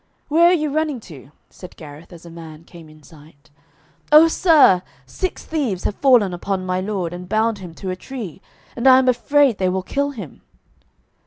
'Where are you running to?' said Gareth, as a man came in sight. 'O sir, six thieves have fallen upon my lord, and bound him to a tree, and I am afraid they will kill him.'